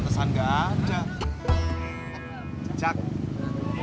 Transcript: council yang reksap